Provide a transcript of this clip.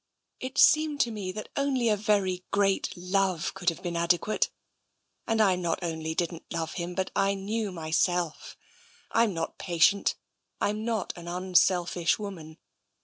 It seemed to me that only a very great love could have been adequate. And I not only didn't love him, but I knew myself — Tm not patient, I'm not an unselfish woman.